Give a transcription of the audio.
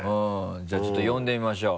じゃあちょっと呼んでみましょう。